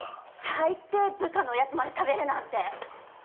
最低部下のおやつまで食べるなんて。